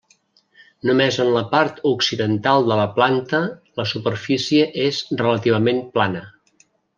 Només en la part occidental de la planta la superfície és relativament plana.